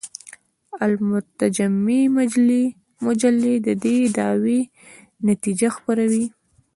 المجتمع مجلې د دې دعوې نتیجې خپرولې.